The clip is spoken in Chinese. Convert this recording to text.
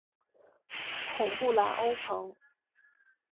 孔布兰欧蓬。